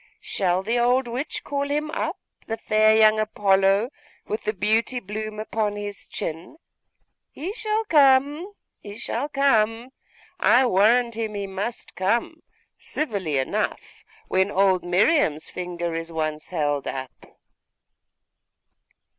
'Shall the old witch call him up, the fair young Apollo, with the beauty bloom upon his chin? He shall come! He shall come! I warrant him he must come, civilly enough, when old Miriam's finger is once held up.